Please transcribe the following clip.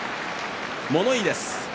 物言いです。